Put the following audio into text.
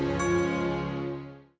ayoek daya dilihat bagaimana disini